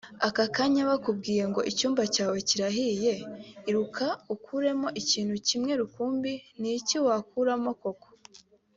Aka kanya bakubwiye ngo icyumba cyawe kirahiye iruka ukuremo ikintu kimwe rukumbi ni iki wakuramo koko